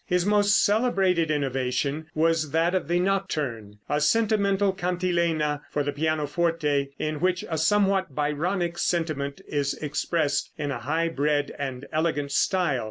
His most celebrated innovation was that of the Nocturne, a sentimental cantilena for the pianoforte, in which a somewhat Byronic sentiment is expressed in a high bred and elegant style.